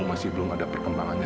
sampai jumpa di video selanjutnya